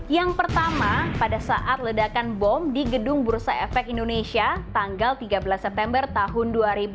yang pertama pada saat ledakan bom di gedung bursa efek indonesia tanggal tiga belas september tahun dua ribu dua puluh